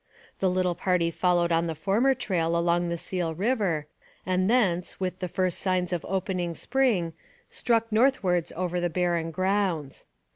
The little party followed on the former trail along the Seal river, and thence, with the first signs of opening spring, struck northwards over the barren grounds.